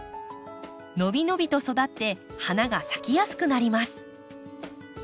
伸び伸びと育って花が咲きやすくなります。